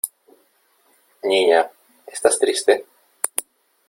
¿ niña , estás triste ?